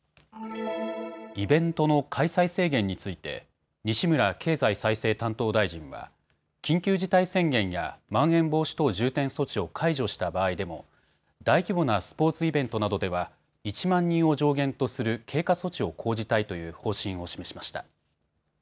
イベントの開催制限について西村経済再生担当大臣は緊急事態宣言やまん延防止等重点措置を解除した場合でも大規模なスポーツイベントなどでは１万人を上限とする経過措置を講じたいという方針を示しました。